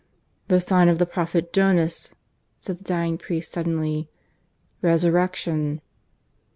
"The sign of the Prophet Jonas," said the dying priest suddenly. ... "Resurrection."